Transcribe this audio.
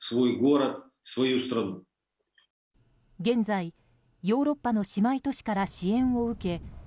現在、ヨーロッパの姉妹都市から支援を受け